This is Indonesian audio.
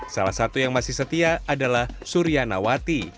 salah satu yang masih setia adalah surya nawati